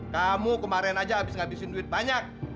kamu kemarin aja habis ngabisin duit banyak